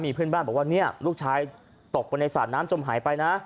เพื่อนบ้านบอกว่าเนี่ยลูกชายตกไปในสระน้ำจมหายไปนะ